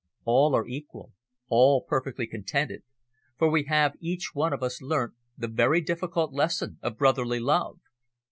All are equal, all perfectly contented, for we have each one of us learnt the very difficult lesson of brotherly love."